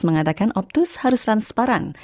mengatakan optus harus transparan